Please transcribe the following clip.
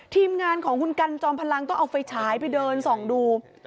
ทีมงานของคุณกันจอมพลังต้องเอาไฟฉายไปเดินส่องดู